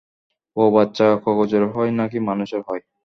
বউ-বাচ্চা কগজের হয় নাকি মানুষের হয়?